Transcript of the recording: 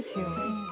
うん。